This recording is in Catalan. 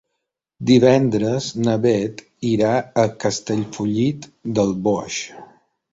Divendres na Beth irà a Castellfollit del Boix.